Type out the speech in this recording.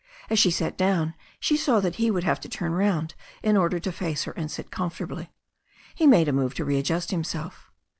As she sat down she saw that he would have to turn round in order to face her and sit comfortably. He made a move to readjust himself.